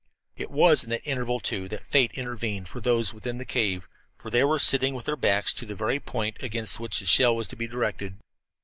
It was in that interval, too, that Fate intervened for those within the cave, for they were sitting with their backs to the very point against which the shell was to be directed.